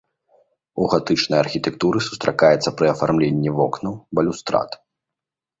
У гатычнай архітэктуры сустракаецца пры афармленні вокнаў, балюстрад.